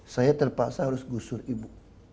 saya terpaksa harus gusur ibu